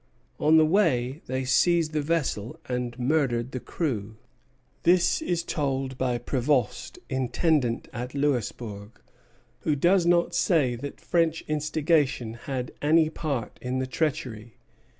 On the way they seized the vessel and murdered the crew. This is told by Prévost, intendant at Louisbourg, who does not say that French instigation had any part in the treachery.